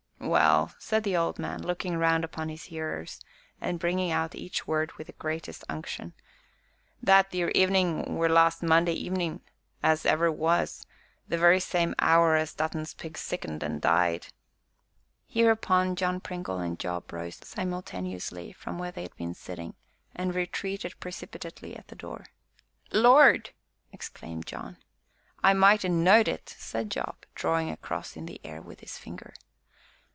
"Well," said the old man, looking round upon his hearers, and bringing out each word with the greatest unction, "that theer evenin' were last Monday evenin' as ever was the very same hour as Dutton's pigs sickened an' died!" Hereupon John Pringle and Job rose simultaneously from where they had been sitting, and retreated precipitately to the door. "Lord!" exclaimed John. "I might ha' knowed it!" said Job, drawing a cross in the air with his finger.